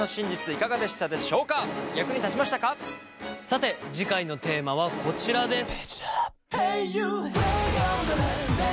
さて次回のテーマはこちらです。